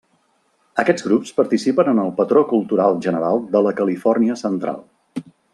Aquests grups participen en el patró cultural general de la Califòrnia Central.